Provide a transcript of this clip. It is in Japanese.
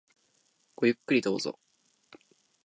ごゆっくりどうぞ。